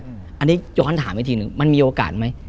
อันนี้ย้อนถามอีกทีหนึ่งมันมีโอกาสไหม